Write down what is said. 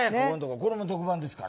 これも特番ですから。